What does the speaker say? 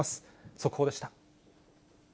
速報でした。